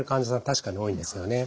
確かに多いんですよね。